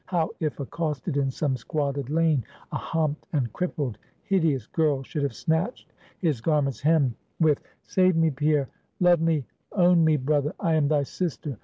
How, if accosted in some squalid lane, a humped, and crippled, hideous girl should have snatched his garment's hem, with "Save me, Pierre love me, own me, brother; I am thy sister!"